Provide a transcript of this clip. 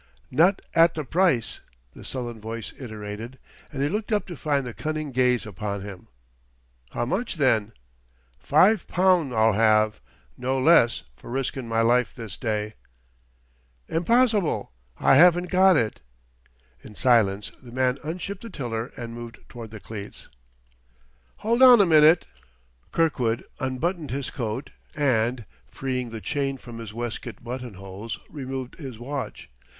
"Not at the price," the sullen voice iterated; and he looked up to find the cunning gaze upon him. "How much, then?" "Five poun' I'll have no less, for riskin' my life this day." "Impossible. I haven't got it." In silence the man unshipped the tiller and moved toward the cleats. "Hold on a minute." Kirkwood unbuttoned his coat and, freeing the chain from his waistcoat buttonholes, removed his watch....